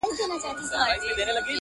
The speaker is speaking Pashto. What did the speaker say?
چي ته راتلې هيڅ يو قدم دې ساه نه درلوده؛